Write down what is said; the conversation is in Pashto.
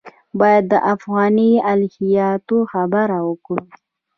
باید د افغاني الهیاتو خبره وکړو.